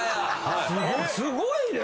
すごいね。